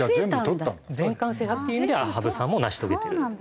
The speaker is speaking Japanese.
全冠制覇っていう意味では羽生さんも成し遂げてる。